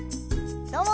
どうも。